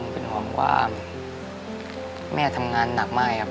เป็นห่วงว่าแม่ทำงานหนักมากครับ